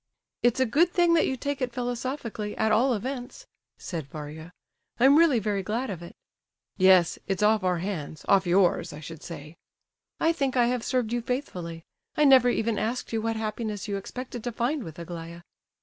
"It's a good thing that you take it philosophically, at all events," said Varia. "I'm really very glad of it." "Yes, it's off our hands—off yours, I should say." "I think I have served you faithfully. I never even asked you what happiness you expected to find with Aglaya."